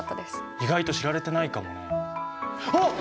意外と知られてないかもねあっ！